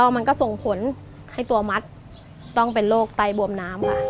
มันก็ส่งผลให้ตัวมัดต้องเป็นโรคไตบวมน้ำค่ะ